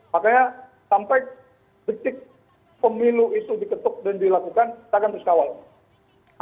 makanya sampai detik pemilu itu diketuk dan dilakukan kita akan terus kawal